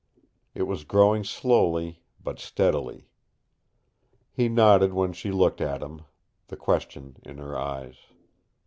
It was growing slowly but steadily. He nodded when she looked at him, the question in her eyes.